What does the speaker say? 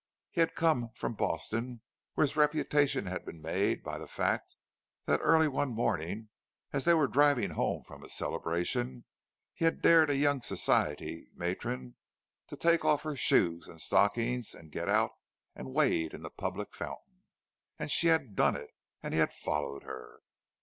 He had come from Boston, where his reputation had been made by the fact that early one morning, as they were driving home from a celebration, he had dared a young society matron to take off her shoes and stockings, and get out and wade in the public fountain; and she had done it, and he had followed her.